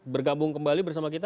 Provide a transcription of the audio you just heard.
bergabung kembali bersama kita